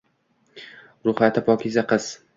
Ruhiyati pokiza qiz